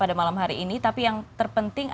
pada malam hari ini tapi yang terpenting